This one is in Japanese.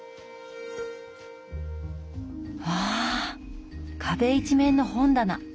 わあ壁一面の本棚。